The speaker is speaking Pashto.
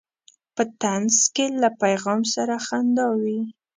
په طنز کې له پیغام سره خندا وي.